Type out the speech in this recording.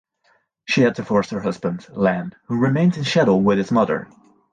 She had divorced her husband, Len, who remained in Seattle with his mother.